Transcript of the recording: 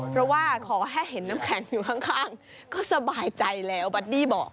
เพราะว่าขอแค่เห็นน้ำแข็งอยู่ข้างก็สบายใจแล้วบัดดี้บอก